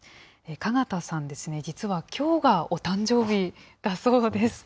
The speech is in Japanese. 加賀田さん、実はきょうがお誕生日だそうです。